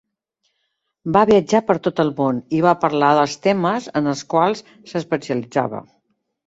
Va viatjar per tot el món i va parlar dels temes en els quals s'especialitzava.